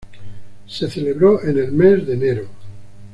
Se celebró en el mes de enero.